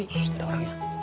sus ada orangnya